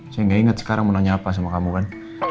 saya gak ingat sekarang mau nanya apa sama kamu kan